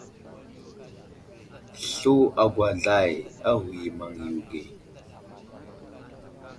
Slu agwagwazlay a ghuyo i maŋ yo age.